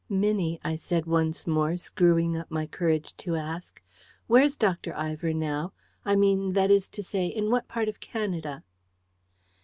"Minnie," I said once more, screwing up my courage to ask, "where's Dr. Ivor now? I mean that is to say in what part of Canada?"